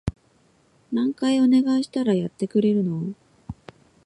何回お願いしたらやってくれるの？